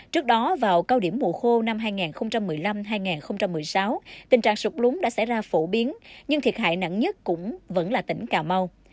trước đó vào cao điểm mùa khô năm hai nghìn một mươi năm hai nghìn một mươi sáu tình trạng sụp lúng đã xảy ra phổ biến nhưng thiệt hại nặng nhất cũng vẫn là tỉnh cà mau